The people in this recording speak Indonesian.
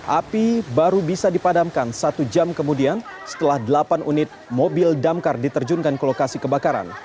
api baru bisa dipadamkan satu jam kemudian setelah delapan unit mobil damkar diterjunkan ke lokasi kebakaran